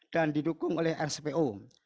dan didukung oleh spo